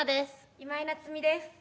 今井菜津美です。